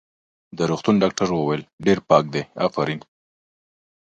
د روغتون ډاکټر وویل: ډېر پاک دی، افرین.